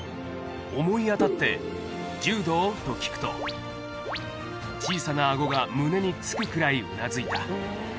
思いあたって、柔道？と聞くと、小さなあごが胸につくくらいうなずいた。